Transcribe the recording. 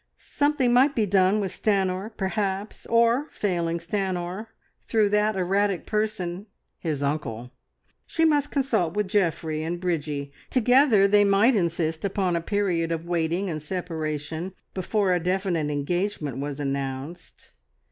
Something might be done with Stanor perhaps, or, failing Stanor, through that erratic person, his uncle. She must consult with Geoffrey and Bridgie, together they might insist upon a period of waiting and separation before a definite engagement was announced.